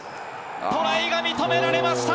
トライが認められました。